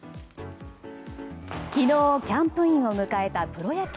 昨日、キャンプインを迎えたプロ野球。